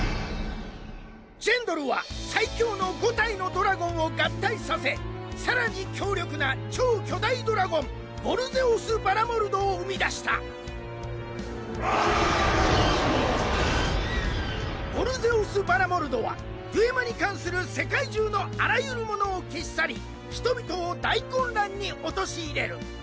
ジェンドルは最強の５体のドラゴンを合体させ更に強力な超巨大ドラゴンヴォルゼオス・バラモルドを生み出したヴォルゼオス・バラモルドはデュエマに関する世界中のあらゆるものを消し去り人々を大混乱に陥れる。